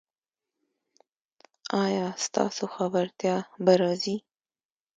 ایا ستاسو خبرتیا به راځي؟